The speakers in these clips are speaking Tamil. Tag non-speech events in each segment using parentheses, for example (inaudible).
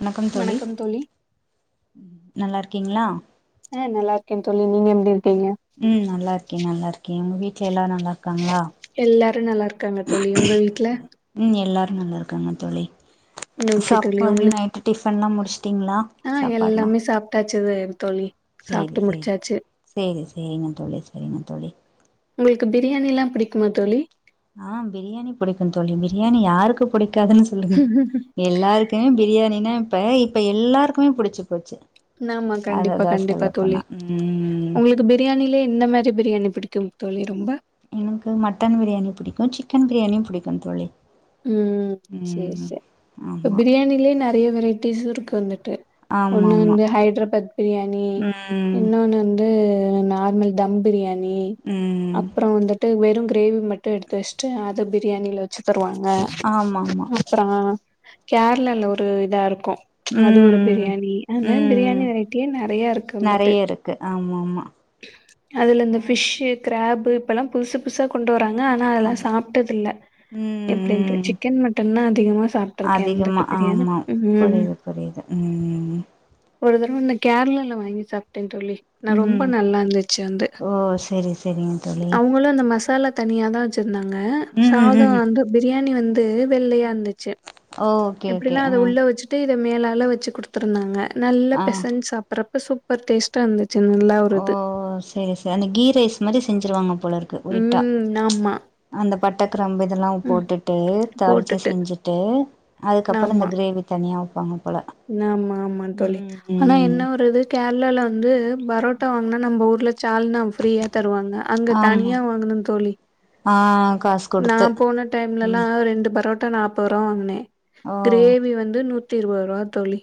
வணக்கம் தோழி நல்லாருக்கீங்ளா ஆ நல்லாருக்கேன் தோழி நீங்க எப்டி இருக்கீங்க ம் நல்லா இருக்கே நல்லா இருக்கே உங்க வீட்ல எல்லா நல்லாருக்காங்ளா எல்லாரு நல்லாருக்காங்க தோழி உங்க வீட்ல உம் எல்லாரு நல்லாருக்காங்க தோழி இன்னும் ஓகே தோழி சாப்பாட் உங்களுக்கு நைட்டு டிஃபன்லா முடிச்ட்டிங்களா சாப்பாடுலா டாச்சதூ தோழி சேரி சாப்ட்டு சேரி முடிச்சாச்சு சேரி சேரிங்க தோழி செரிங்க தோழி உங்களுக்கு பிரியாணீலா பிடிக்குமா தோழி ஆஹ் பிரியாணி புடிக்கூ தோழி பிரியாணி யாருக்கு புடிக்காதுன்னு சொல்லுங் எல்லாருக் ஏ பிரியாணின்னா இப்ப இப்ப எல்லாருக்குமே புடிச்சு போச்சி நாமா கண்டிப்பா கண்டிப்பா தோழி ம் உங்களுக்கு பி பிரியாணிலே என்ன மாரி பிரியாணி பிடிக்கும் தோழி ரொம்ப எனக்கு மட்டன் பிரியாணி பிடிக்கு சிக்கன் பிரியாணியு பிடிக்கு தோழி உம் சேரி ம் சேர் இப்ப ஆமா பிரியாணீலே நெறையா வெரைட்டீஸ் இருக்கு வந்துட்டு ஒண்ணு ஆமாமா வந்து ஹைட்ரபாத் பிரியாணீ ம் இன்னொன்னு வந்த் தூ நார்மல் தம் பிரியாணீ ம் அப்றோ வந்துட்டூ வெறு கிரேவி மட்டு எடுத்து வச்ட்டு அத பிரியாணீல வச்சு தருவாங் க ஆமாமா அப்றோ கேரளால ஒரு இதா இருக்கூ அது ஒரு ம் பிரியாணீ அந்த மாரி ம் பிரியாணி வெரைட்டியே நெறையா இருக்கு வந்துட்டூ ஆமாம்மா அதுல இந்த ஃபிஷ்ஷு கிராப்பு இப்பெல்லா புதுசு புசா கொண்டு வராங்க ஆனா அதெல்லா ஆமா சாப்டது இல்ல ம் எப்டின்ட்டு ம் சிக்கன் மட்டன்னா அதிகமா சாப்ட்ருக்கே அதிகமா வந்துட்டு பிரியாணி ஆமா ம் ம் ம் புரியுது புரியுது ம் ம் ம் ஒரு தரவ ந கேரளால வாங்கி சாப்ட தோழி நா ரொம்ப ம் நல்லா இருந்துச்சு அந்து ஓ செரி செரிங்க தோழி அவுங்களே அந்த மசாலா தனியா தா வச்ருந்தாங்க ம் சாதோ ம் வந்து பிரியாணி வந் ந்து வெள்ளயா இந்துச்சு ஓகே ஓகே எப்டினா அத ஆ உள்ள வச்சிட்டு இத மேலால வச்சு குடுத் துருதாங்க நல்ல ஆ பெசஞ் சாப்புறப்ப சூப்பர் டேஸ்ட்டா இந்துச்சி நல்லா ஒரு இது சேரி ச அந்த கீ ரைஸ் மாரி செஞ்ருவாங்க போல இருக்கு ஒய்ட்டா ம் ஆமா அந்த பட்ட கிரம்பு இதெல்லா ம் போடுட்டு தாள்சு போட்டுட்டு செஞ்சிட்டு அதுக்கப்ற இந்த கிரேவி தனியா வெப்பாங்க போல நாம ஆமா தோழி ம் ஆனா ம் என்ன ஒரு இது கேர்ளால வந்து பரோட்டா வாங்னா நம்ப ஊர்ல சால்னா அவங் ஃப்ரீயா தருவாங்க அங்க ஆமா தனியா வாங்கனு தோழி ஆ காஸ் நா போன டைம்லலா ரெண்டு பரோட்டா நாப்றோருவா வாங்னே ஓ கிரேவி வந்து நூ த்தி இருவருவா தோழி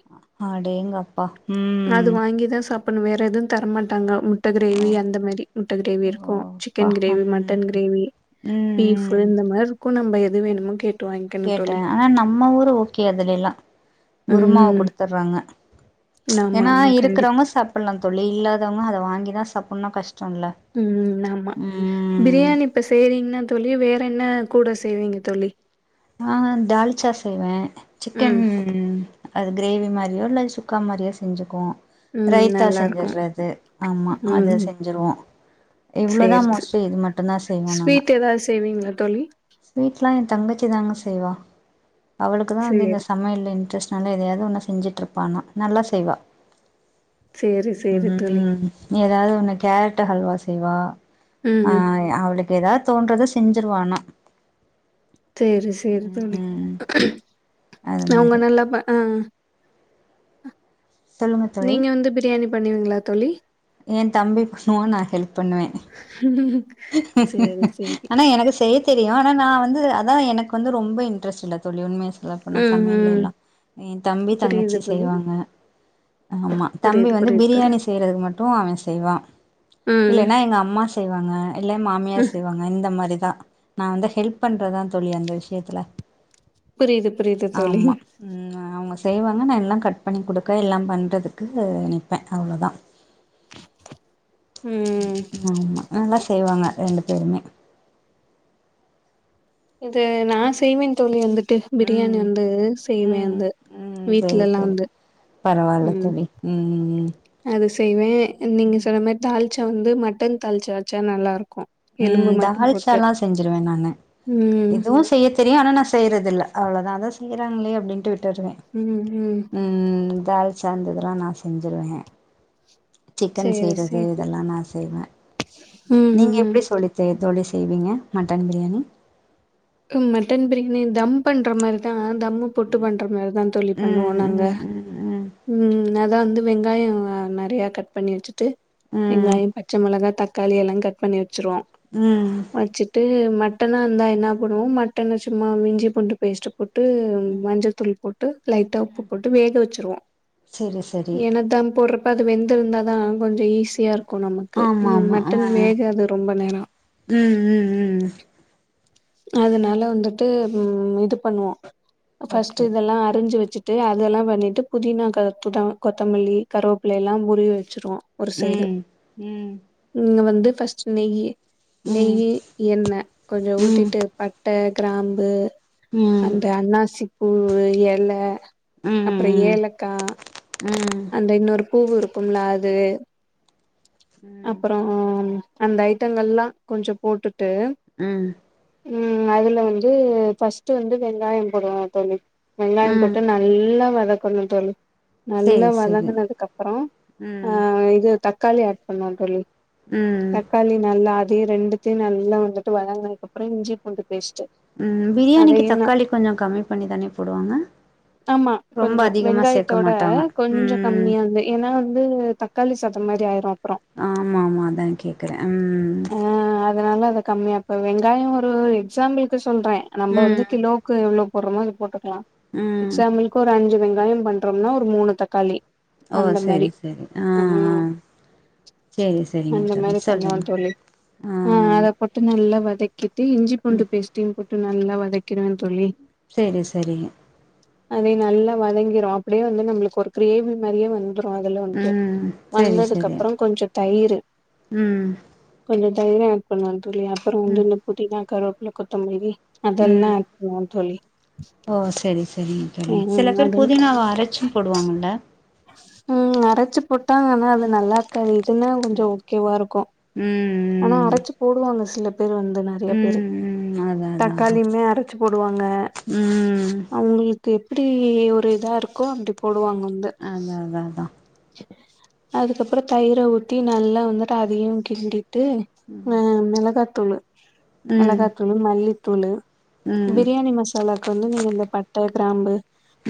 அடேங்கப் பா ம் அது வாங்கி தா சாப்புன்னு வேற எது தர மாட்டாங்க மு ட்ட கிரேவி அந்த மேரி முட்ட கிரேவி ஓ இருக்கு அப்பா சிக்கன் கிரேவி ம் மட்டன் கிரேவி ம் பீஃப் பு ம் இந்த மார்ருக்கு நம்ப எது வேணுமோ கே கேட்ட ஆனா நம்ம ஊரு ஓகே அதுலிலா குருமாவ ம் குடுத்துற்றாங்க ஆமா ஏனா ஆமா கண்டிப்பா இருக்கறவங்க சாப்புல்லா தோழி இல்லாதவங்க அத வாங்கிதா சாப்புன்னா கஷ் ம் ஆமா பிரியாணி இப்ப செய்றீங்னா தோழி வேற என்ன கூட செய்வீங்க தோழி ஆ தால்ச்சா செய்வே சிக்கன் ம் அது கிரேவி மாரியோ இல்ல சுக்கா மாரியோ செஞ்சுக்வோ ம் ரைத்தா நல்லா இருக்கு செஞ்சறுது ஆமா அது ம் செஞ்சிருவோ இவ்ளோதா சேரி சே மோஸ்லி இது மட்டுதா செய்வோ நாங்க ஸ்வீட் ஏதாவது செய்வீங்களா தோழி ஸ்வீட்லா எ தங்கச்சி தாங்க செய்வா அவளுக்குதா வந்து இந்த சேரி சமயல்ல இன்ரெஸ் நல்ல எதயாவது ஒன்ன செஞ்சிட்ருப்பா ஆனா நல்லா செய்வா சேரி சேரி தோழி ம் எதாவது ஒன்னு கேரட் ஹல்வா செய்வா ஆ ம் அவளுக் கு ஏதா தோன்றது செஞ்சிருவா ஆனா சேரி சேரி தோழி ம் அது அவுங்க மாரி நல்லா பா ஆ சொல்லுங்க நீங்க வந்து பிரியாணி பண்ணுவீங்ளா தோழி எ தம்பி பண்ணுவா நா ஹெல்ப் பண்ணுவே உம்உம்உம் ஆனா எனக்கு செய்ய தெரியு ஆனா நா வந்து அதா எனக் வந்து ரொம்ப இன்ட்ரெஸ்ட் இல்ல தோழி உண்மையா சொல்லபோனா ம் சமயல ம் எல்லா எ தம்பி புரியுது தங்கச்சி புரியுது செய்வாங்க ஆமா தம்பி புரியுது வந்து புரியுது தோழி பிரியாணி செய்றது மட்டு அவ செய்வா ம் இல்லனா எங்க அம்மா செய்வாங்க இல்ல ம் மாமியார் செய்வாங் க இந்த மாரிதா நா வந்து ஹெல்ப் பண்றதா தோழி அந்த விஷியத்துல புரியுது புரியுது தோழி ம் அ அவுங்க செய்வாங்க நா எல்லா கட் பண்ணி கொடுக்க எல்லா பண்ணுறதுகு நிப்பே அவ்ளோதா ம் ஆமா நல்லா செய்வாங்க ரெண்டு பேருமே இது நா செய்வே தோழி வந்து ட்டு பிரியாணி ம் வந்து செய்வே ம் அது ம் சரி வீட்லலா வந்து ம் உ உ உ அது செய்வே நீங்க சொன்ன மாரி தாள்சா வந்து மட்டன் தாள்சா வச்சா நல்லா இருக்கு எலும்பு ம் மட்டு போட்டு தால்சாலா செஞ்சிருவே நானு ம் இதுவு செய்ய தெரியு ஆனா நா செய்யறதில்ல அவ்ளோதா அதா செய்றாங்ளே அப்டின்டு விட்ருவே உ உ ம் ம் தால்ச்சா இந்த இதெல்லா நா செஞ்சுருவே சிக்கன் சேரி செய்றது சேரி இதெல்லா நா செய்வே ம் நீங்க ம் ம் எப் (unintelligible) தோழி செய்வீங்க மட்டன் பிரியாணி மட்டன் பிரியாணி தம் பண்ற மாரிதா தம்மு போட்டு பண்ற மாரிதா தோழி பண்ணுவோ ம் நாங்க ம் ம் ம் ம் அதா வந்து வெங்காயோ நெறையா கட் பண்ணி வச்சு ட்டு ம் வெங்காயோ பச்ச மொளகா தக்காளி எல்லா கட் பண்ணி வச்சிருவோ உ வச்சுட்டு மட்டனா இருந்தா என்னா பண்ணுவோ மட்டன சும்மா இஞ்சி பூண்டு பேஸ்ட்டு போட் ட்டு மஞ்சத்தூள் போட்டு லைட்டா உப்பு போட்டு வேக வெச்சுருவோ செரி செரி எனதாம் பொறு இப்ப அது வெந்திருந்தா தா கொஞ்ச ஈஸியா இருக்கு நமக்கு ஆமா ம் மட்டன் வேகாது ரொம்ப நேரோ உ உ உ அதுனால வந்துட்டு ம் இது பண்ணுவோ பஃஸ்ட்டு ஓகே இதெல்லா அறிஞ்சு வெச்சுட் ட்டு அதெல்லா பண்ணிட்டு புதினா கருப்புதா கொத்தமல்லி கருவேப்பில எல்லா உருகி வச்சிருவோ ஒரு சைடு ம் ம் நீங்க வந்து ஃபஸ்ட் நெய்யி ம் ம் நெய்யி எண்ணெ கொஞ்சொ ம் ஊத்திட்டு பட்ட ட்ட கிராம்பு ம் அந்த அன்னாசிப் பூ எல உ உ அப்றொ ஏலக்கா அந்த இன்னொரு பூவு இருக்குல்ல அது ம் அப்பறொ ஆ அந்த ஐட்டங்கள்லா கொஞ்சொ போட்டுட்டு உ ம் அதுல வந்து ஃபர்ஸ்ட்டு வந்து வெங்காயோ போடுவாங் தோழி வெங்காயோ ம் போட்டு நல்லா வதக்கணு தோழி நல்லா சேரி சேரி வதங்குனதுக்குப்பறொ ஆ ம் இது தக்காளி ஆட் பண்ணு தோழி ம் தக்காளி நல்லா அதயு ரெண்டு நல்லா வந்துட்டு வதங்குனதுக்க ப்புறொ இஞ்சிபூண்டு பேஸ்ட்டு ம் பிரியாணிக்கு அதையு ந தக்காளி கொஞ்சொ கம்மி பண்ணி தானே போடுவாங்க ஆமா ரொம்ப கொஞ்சொ அதிகமா சேக்க வெங்காயத்தோட மாட்டாங்க கொஞ்சோ ம் கம்மியா வந்து ஏன்னா வந்து தக்காளி சாதோ மாரி ஆயிரு அப்றொ ஆமா ஆமா அதா கேக்குறே ம் ஆ அதுனால அத கம்மியா இப்ப வெங்காயோ ஒரு எக்ஸாம்பிளுக்கு சொல்றே நம்ப வந்து ம் கிலோவுக்கு எவ்ளோ போடுறமோ அது போட்டுக்கலா உ எக்ஸாம்பிளுக்கு ஒரு அஞ்சு வெங்காயோ பண்றோம்னா ஒரு மூணு தக்காளி ஓ அந்த செரி மாரி செரி ஆ ஆ ம் செரி செரிங்க அந்த தோழி மாரி சொல்லுங்க ஆ ஆ மட்டு நல்லா வதக்கிட்டு இஞ்சி பூண்டு பேஸ்ட்டயும் போட்டு நல்லா வதக்கிடுவே தோழி சேரி சேரிங்க அதே நல்லா வதங்கிரு அப்டியே வந்து நம்ளுக்கு ஒரு கிரேவி மாரியே வந் ரு அப்புறோ அதுல வன்ட்டு ம் சேரி வந்ததுக்கு சேரி அப்றம் கொஞ்சோ தயிரு ம் கொஞ்சோ தயிர் ஆட் பண்ணுவே தோழி அப்பறோ வந்து ம் இந்த புதினா கருவேப்புல கொத்த மல்லி அதெல்லா ம் ஆட் பண்ணுவோ தோழி ஓ சேரி சேரிங்க தோழி சில ம் பேர் அது புதினாவ அரைச்சும் போடுவாங்கல்ல ம் அரைச்சிப் போட்டாங்கன்னா அது நல்லாருக்காது இதுன்னா கொஞ்சோ ஓகேவா இருக்கு ஆனா ம் அரைச்சுப் போடுவாங்க சில பேர் வந்துனா நெறைய பேரு ம் ம் ம் அதா அதா அதா தக்காளியுமே அரைச்சுப் போடுவாங்க ம் அவுங்களுக்கு எப்டி ஒரு இதா இருக்கோ அப்டி போடுவாங்க வந்து அதா அதா அதா அதுக்கப்றோ தயிர ஊத்தி நல்லா வந்துட்டு அதையு கிண்டிட்டு அ ம் மொளகாத்தூளு மொளாக ம் தூளு மல்லித்தூளு ம் பிரியாணி மசாலாக்கு வந்து நீங்க இந்த பட்ட கிராம்பு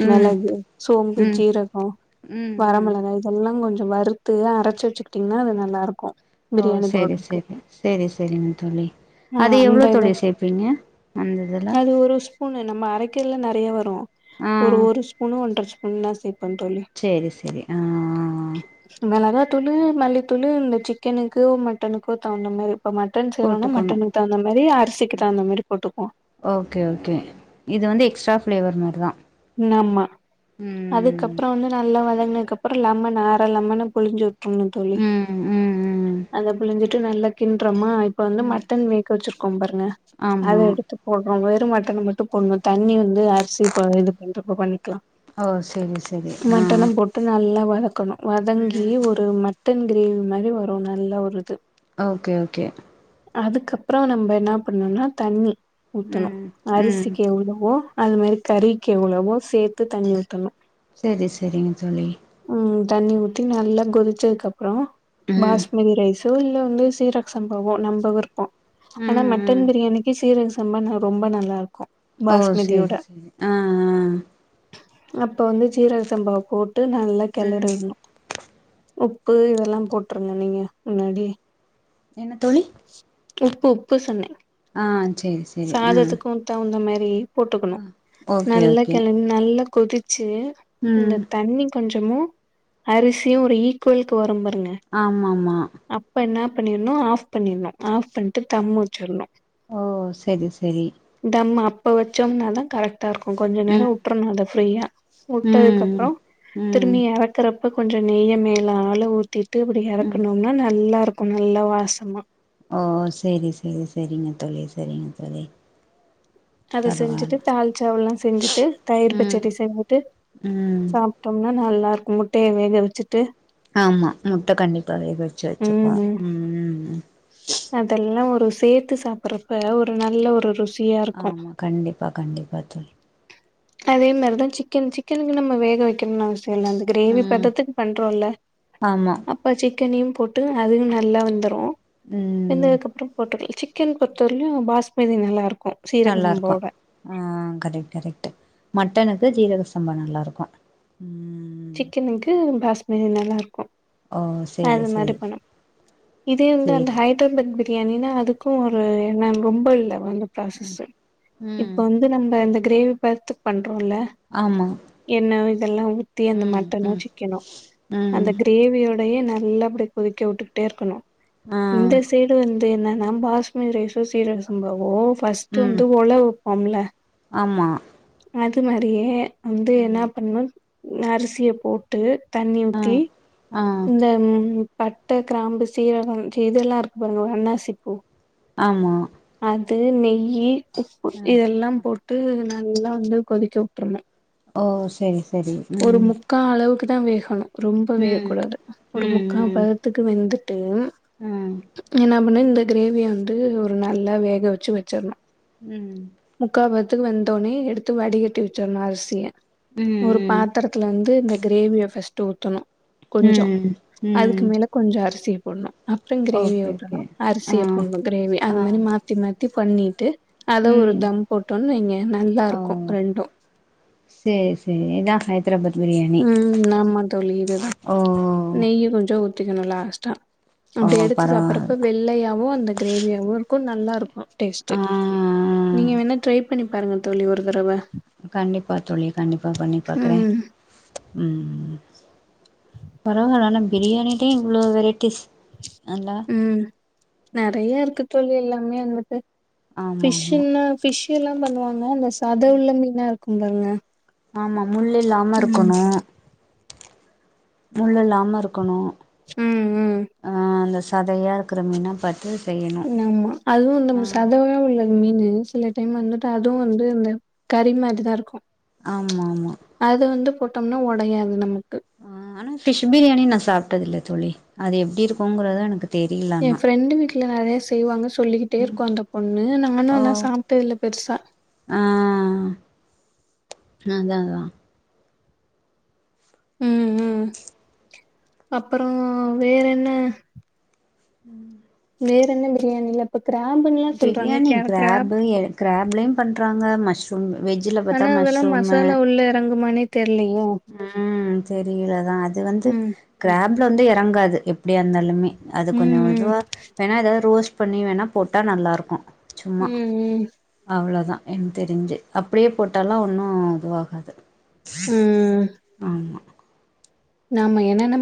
ம் மெளகு சோம்பு ம் ஜீரகோ ம் ம் வரமெள கா இதெல்லா கொஞ்சம் வறுத்து அரச்சு வெச்சுக்கிட்டீங்கன்னா அது நல்லாருக்கு ஓ சேரி சேரி சைரி சேரிங் தோழி ஆ அதை எவ்ளோ அந்த தோழி சேப்பிங்க அந்த இதுல அது ஒரு ஸ்பூனு நம்ம அரைக்கல்ல நறைய வரு ஆ ஒரு ஒரு ஸ்பூனு ஒன்ற ஸ்பூன்தா சேப்பே தோழி சேரி சேரி ஆ மொளகாதூளு மல்லித்தூளு இந்த சிக்கனுக்கு மட்டனுக்கோ தகுந்த மாரி இப்போ மட்டன் செய்றோனா போட்டுக்கணு மட்டனுக்கு தகுந்த மாரி அரிசிக்கு தகுந்த மாரி போட்டுப்போ ஓகே ஓகே இது வந்து எக்ஸ்ட்ரா ஃப்ளேவர் மாரிதா ஆமா ம் அதுக்கப்றோ வந்து நல்லா வதங்குனதுக்கு அப்றோ லெமன அர லெம்ன புழிஞ்சி உ ட்னோ தோழி ம் ம் ம் அத பிழிஞ்சிட்டு நல்லா கின்றோம்மா இப்ப வந்து ம் மட்டன் வே வெச்சுருக்கோம் பாருங்க அத ஆமா எடுத்து போட்றோ வெறு மட்டன மட்டு போட்ணு தண்ணி வந்து அரிசி இப்ப இது பண்றப்ப பண்ணிக்கலா ஓ சேரி சேரி ஆ ட்டு நல்லா வதக்கணு வதங்கி ம் ஒரு மட்டன் கிரேவி மாரி வரு நல்லா ஒரு இது ஓகே ஓகே அதுக்கப்றோ நம்ப என்ன பண்ணோனா தண்ணி ஊத்தணு ம் ம் அரிசிக்கு எவ்ளோவோ அது மாரி கறிக்கு எவ்ளோவோ சேத்து தண்ணி ஊத்தணு சேரி சேரிங்க தோழி ம் தண்ணி ஊத்தி நல்லா கொதிச்சதுக்கு அப்றோ ம் பாஸ்மதி ரைஸ் மதியோ இல்ல சீரக் சம்பாவே நம்ப விருப்போ ஆனா மட் ம் மட்டன் ம் பிரியாணிக்கு சீரக சம்பா ந ரொம்ப நல்லா இருக்கு ஓ சேரி பாஸ்மதியோட சேரி ஆ ஆ அப்ப வந்து சீரக சம்பாவ போட்டு நல்லா ம் கெளறிட்ணு உப்பு இதெல்லா போட்ருங்க நீங்க முன்னாடியே என்ன தோழி உப்பு உப்பு சொன்ன ஆ செரி செரி ஆ சாதத்துக்கு தகுந்த மாரி போட்டுக்கணு ஓகே நல்லா ஓகே கெளங் நல்லா கொதிச்சு ம் இந்த தண்ணி கொஞ்சமு அரிசியு ஒரு ஈக்குவலுக்கு வரும் பாருங்க ஆமாமா அப்ப என்னா பண்ணிர்ணு ஆஃப் பண்ணிர்ணு ஆஃப் பண்ட்டு தம்மு வச்சிர்ணு ஓ செரி செரி தம்ம அப்ப வச்சோம்னாதா கரெக்டா இருக்கு கொஞ்ச நேரோ ம் வுட்றனு அத ஃப்ரீயா வுட்டதுக்கு ம் அப்பறோ ம் திரும்பியு இர க்கிறப்ப கொஞ்ச நெய்ய மேலால ஊத்திட்டு அப்டி ம் எறக்ணோனா ஆ நல்லாருக்கு நல்ல வாசமா ஓ செரி செரி செரிங்க தோழி செரிங்க தோழி அது பரவால்ல செஞ்சுட்டு தால்சவுள்ல்லா செஞ்சுட்டு தயிர் ம் பச்சடி செஞ்சுட்டு ம் சாப் ட்டோம்னா நல்லா இருக்கு முட்டைய வேக வச்சுட்டு ஆமா முட்ட கண்டிப்பா வேக வச்சு வச்சுப்போ ம் ம் ம் அதெல்லா ஒரு சேர்த்து சாப்புறப்ப ஒரு நல்ல ஒரு ருசி ஆமா கண்டிப்பா கண்டிப்பா தோழி அதே மாரிதா சிக்கன் சிக்கன்னு நம்ம வேக வக்கணும்னு அவசியமில்ல கிரேவி ம் பதத்துக்கு பண்றோல ஆமா அப்ப சிக்கனையு போட்டு அதுவு நல்லா வெந்துரு ம் வெந்ததுக்கு அப்றோ போட்டு சிக்கன் பொறுத்தவர்லயு பாஸ்மதி நல்லாருக்கு நல்லாருக்கோ ஆ கரெக்ட் கரெக்ட்டு மட்டனுக்கு ஜீரக சம்பா நல்லா இருக்கு சிக்கனுக்கு பாஸ்மதி நல்லா இருக்கு ஓ சேரி அந்த மாரி சேரி பண்ணு இதே வந்து அந்த சேரி ஹை த்ரபாத் பக் பிரியாணினா அதுக்கு ஒரு ம் என ரொம்ப இல்ல அந்த ப்ராசஸ்ஸு இப்ப ம் வந் நம்ம இந்த கிரேவி பதத்துக்கு பண்றோல ஆமா என்ன இதெல்லா அந்த ம் மட்டனோ ம் சிக்கனோ ம் அந்த கிரே கிரேவியோடையே நல்லா அப்டி கொதிக்க விட்டுக்கிட்டே இருக்கணு ஆ இந்த சைடு வந்து என்னன்னா பாஸ்மதிரைசோ சீரகசம்பாவோ ஃபஸ்ட்டு ம் வந்து ஒழ வப்போம்ல ஆமா அது மாரியே வந்து என்ன ம் பண்ணு அரிசிய போட்டு தண்ணி ஆ ஊத்தி ஆ இந்த பட்ட கிராம்பு சீரகம் இதெல்லா இருக்கு பாருங்க அண்ணாசிப்பூ ஆமா அது நெய்யி உப்பு அ இதெல்லா போட் விட்டு நல்லா வந்து கொதிக்க வுட்ரணு ஓ செரி செரி ம் முக்கா அளவுக்கு தா வேகணு ரொம்ப வே க ம் கூடாது ஒரு ம் முக்கா ம் பதத்துக்கு வெந்துட்டு ஆ என்னா பண்ண இந்த கிரேவிய வந்து ஒரு நல்லா வேக வச்சு வச்சர்ணு ம் முக்கா பதத்துக்கு வெந்தோனே எடுத்து வடிகட்டி வச்சரனு அரிசிய ம் ஒரு ம் பாத்திரத்துல வந்து இந்த கிரேவிய ஃபஸ்ட் ஊத்தணு கொஞ்சோ ம் அதுக்கு ம் மேல கொஞ்சோ அரிசிய போட்ணு அப்றோ கிரேவி ஓகே ஊத்தணு ஓகே ஆ அரிசிய போட்ணு கிரேவி அந்த ஆ மாரி மா மாத்தி மாத்தி பண்ணிட்டு அத ஒரு ம் தம் போட்டோன் வைங்க நல்லா ஓ இருக்கு ரெண்டு சேரி சேரி என்னா சை (unintelligible) ம் ஆமா தோழி இதுதா நெய்யு கொஞ்சோ ஊத்திக்கணு லாஸ்ட்டா ஓ அப்டி எடுத்து சாப்பறப்ப பரவால்ல வெள்ளையாவு அந்த கிரேவியாவு இருக்கு நல்லா இருக்கு ஆ டேஸ்ட்டு நீங்க வேண்ணா ட்ரை பண்ணி பாருங்க தோழி ஒரு தடவ கண்டிப்பா தோழி கண்டிப்பா பண்ணி பாக்கறே ம் ம் பரவால ஆனா பிரியாணிலையே இவ்ளோ வெரைட்டிஸ் நல்லா ம் நெறைய இருக்கு தோழி எல்லாமே அங்குட்டு ஆமா ஆமா ஃபிஷ்சுன்னா ஃபிஷ் எல்லா பண்ணுவாங்க அந்த சத உள்ள மீனா இருக்கும் பாருங்க ஆமா முள் இல்லாம இருக்கணு முள் இல்லாம இருக்கணு ம் ம் ஆ அந்த சதையா இருக்கிற மீனா பாத்து செய்யணு ன்னாமா அது நம் ஆ சதவா உள்ள மீனு சில டைம் வந்துட்டு அதுவு வந்து இந்த கறி மாரிதா இருக்கு ஆமாம்மா அது வந்து போட்டம்னா ஒடையாது நமக்கு ஆ ஆனா ஃபிஷ் பிரியாணி நா சாப்ட்டது இல்ல தோழி அது எப்டி இருக்குங்கிறதா எனக்கு தெரில எ ஆனா ஃப்ரெண்டு வீட்ல நெறைய செய்வாங்க சொல்லிக்கிட்டே இருக்கு அந்த பொண்ணு நானு ஓ ஆனா சாப்ட்டதுல்ல பெருசா ஆ அதா அதா ம் ம் அப்பறோ வேற என்ன ம் வேற என்ன பிரியாணில இப்ப கிராம்புன் பிரியாணி கிராப்பு கிராப்லயு பண்றாங்க மஷ்ரூம் வெஜ்ஜில பாத்தா ஆனா அதெல்லா மஷ்ரூமு மசாலா உள்ள எறங்குமானே தெர்லயே ம் தெரில தா அது வந்து ம் கிராப்ல வந்து எறங்காது எப்படியா இருந்தாலுமே அது கொஞ்சோ ம் ம் இதுவா வேணா ஏதாவது ரோஸ்ட் பண்ணி வேணா போட்டா நல்லாருக்கு சும்மா ம் ம் அவ்ளோதா என் தெரிஞ்சு அப்டியே போட்டால்லா ஒன்னு இதுவாகாது ம் ம் ம் ஆம்மா நாம எனன்னம்